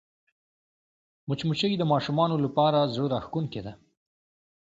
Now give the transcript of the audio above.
مچمچۍ د ماشومانو لپاره زړهراښکونکې ده